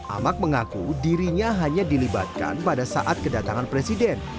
amak mengaku dirinya hanya dilibatkan pada saat kedatangan presiden